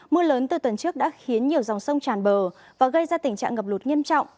mưa lớn từ tuần trước đã khiến nhiều dòng sông tràn bờ và gây ra tình trạng ngập lụt nghiêm trọng